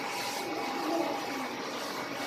তুমি আসলেই এক চিজ!